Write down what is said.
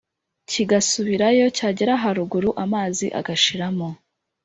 kigasubirayo cyagera haruguru amazi agashiramo.